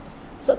rỗ tổ hùng vương